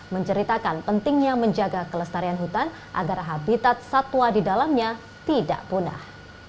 menceritakan pentingnya menjaga kelestarian hutan agar habitat satwa di dalamnya tidak punah